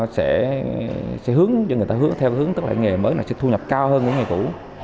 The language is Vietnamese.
nó sẽ hướng cho người ta theo cái hướng tức là nghề mới này sẽ thu nhập cao hơn những nghề cũ